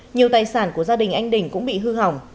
nhiều tài sản của gia đình anh đình cũng bị hư hỏng